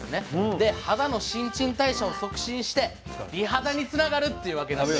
で肌の新陳代謝を促進して美肌につながるっていうわけなんです。